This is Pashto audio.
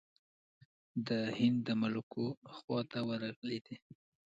د هند د ملوکو خواته ورغلی دی.